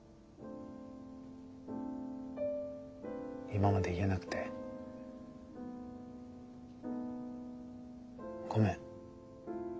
今まで言えなくてごめん。